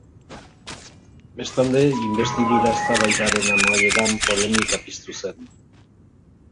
Bestalde, inbestidura eztabaidaren amaieran polemika piztu zen.